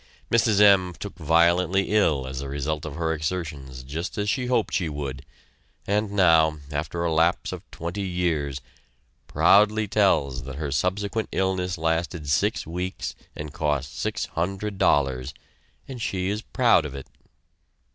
Mrs. M. took violently ill as a result of her exertions just as she hoped she would, and now, after a lapse of twenty years, proudly tells that her subsequent illness lasted six weeks and cost six hundred dollars, and she is proud of it!